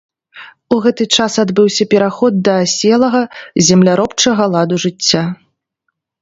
У гэты час адбыўся пераход да аселага земляробчага ладу жыцця.